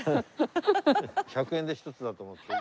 １００円で１つだと思って。